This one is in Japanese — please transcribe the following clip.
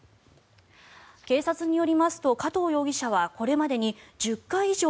警察によりますと加藤容疑者はこれまでに１０回以上